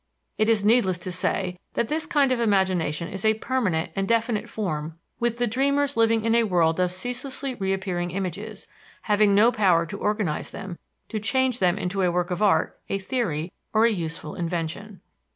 It is needless to say that this kind of imagination is a permanent and definite form with the dreamers living in a world of ceaselessly reappearing images, having no power to organize them, to change them into a work of art, a theory, or a useful invention.